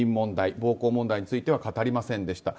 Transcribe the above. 暴行問題については語りませんでした。